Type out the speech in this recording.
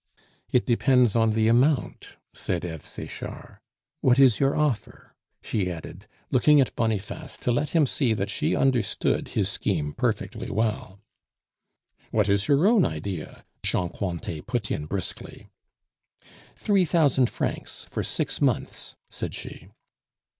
"It depends on the amount," said Eve Sechard. "What is your offer?" she added, looking at Boniface to let him see that she understood his scheme perfectly well. "What is your own idea?" Jean Cointet put in briskly. "Three thousand francs for six months," said she.